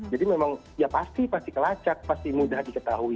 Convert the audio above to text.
jadi memang ya pasti pasti kelacak pasti mudah diketahui